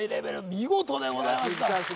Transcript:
見事でございました鈴木さん